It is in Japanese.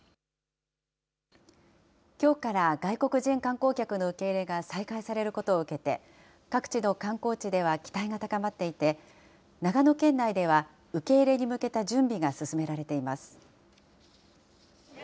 きょうから外国人観光客の受け入れが再開されることを受けて、各地の観光地では期待が高まっていて、長野県内では受け入れに向けた準備が進められています。